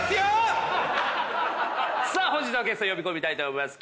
本日のゲスト呼び込みたいと思います。